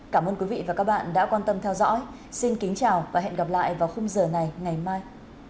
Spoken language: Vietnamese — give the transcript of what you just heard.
các bạn đã quan tâm theo dõi xin kính chào và hẹn gặp lại vào khung giờ này ngày mai